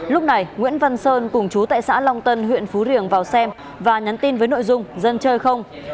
lúc này nguyễn văn sơn cùng chú tại xã long tân huyện phú riềng vào xem và nhắn tin với nội dung dân chơi không